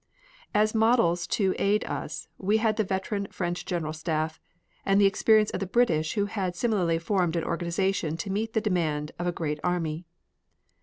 As models to aid us we had the veteran French General Staff and the experience of the British who had similarly formed an organization to meet the demands of a great army.